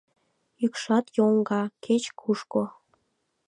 Йӱкшат йоҥга кеч-кушко.